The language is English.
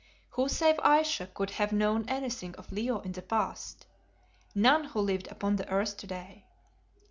Who save Ayesha could have known anything of Leo in the past? None who lived upon the earth to day.